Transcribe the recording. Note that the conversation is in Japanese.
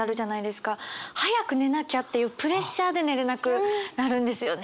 早く寝なきゃっていうプレッシャーで寝れなくなるんですよね。